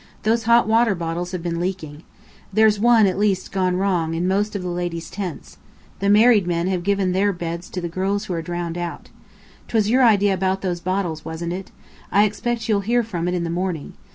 Those hot water bottles have been leaking. There's one at least gone wrong in most of the ladies' tents. The married men have given their beds to girls who are drowned out. 'Twas your idea about those bottles, wasn't it? I expect you'll hear from it in the morning!